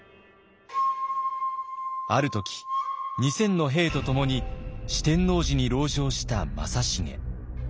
ある時２，０００の兵とともに四天王寺に籠城した正成。